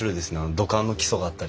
土管の基礎があったり